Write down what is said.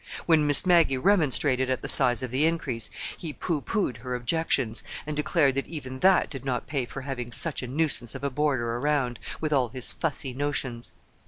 When Miss Maggie remonstrated at the size of the increase, he pooh poohed her objections, and declared that even that did not pay for having such a nuisance of a boarder around, with all his fussy notions.